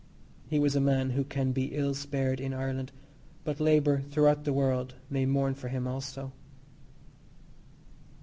He was a man who can be ill spared in Ireland, but labour, throughout the world, may mourn for him also.